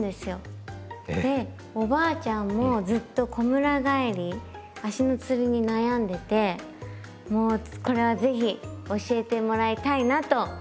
えっ⁉でおばあちゃんもずっとこむら返り足のつりに悩んでてもうこれは是非教えてもらいたいなと思っておりました。